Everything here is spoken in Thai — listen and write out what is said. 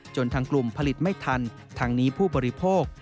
ทางกลุ่มผลิตไม่ทันทางนี้ผู้บริโภค